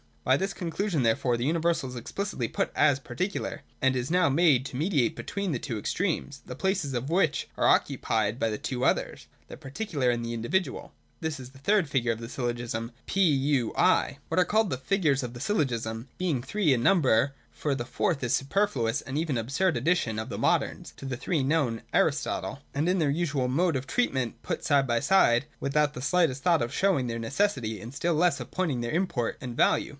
By this con clusion therefore the universal is explicitly put as particular — and is now made to mediate between the two extremes, the places of which are occupied by the two others (the particular and the individual). This is the third figure of the syllogism : (3) P — U — I. What are called the rigures of the syllogism (being three in number, for the fourth is a superfluous and even absurd addition of the Moderns to the three known to Aristotle) are in the usual mode of treatment put side by side, without the slightest thought of showing their necessity, and still less of pointing out their import and value.